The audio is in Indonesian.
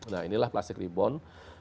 nah inilah plastic reborn